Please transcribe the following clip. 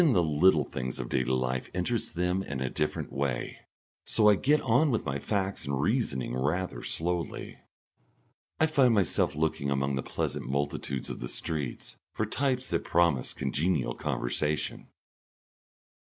Even the little things of daily life interest them in a different way. So I get on with my facts and reasoning rather slowly. I find myself looking among the pleasant multitudes of the streets for types that promise congenial conversation.